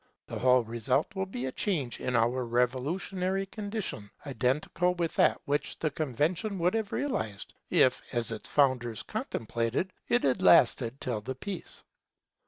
The whole result will be a change in our revolutionary condition identical with that which the Convention would have realized, if, as its founders contemplated, it had lasted till the Peace.